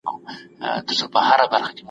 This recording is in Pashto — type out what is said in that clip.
دا د يوې سالمي اسلامي ټولني ځانګړتياوي دي.